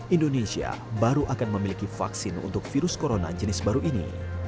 indonesia baru akan memiliki vaksin untuk virus corona jenis baru ini